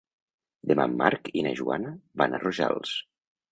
Demà en Marc i na Joana van a Rojals.